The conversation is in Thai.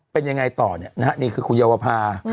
เป็นยังไงต่อเนี่ยนะฮะนี่คือคุณเยาวภา